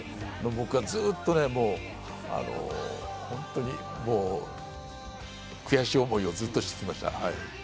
僕はずっと本当に悔しい思いをずっとしてきました。